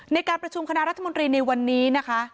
ในการประชุมคณะรัฐมนตรีในวันนี้นะคะ